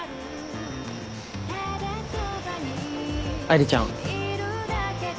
愛梨ちゃん。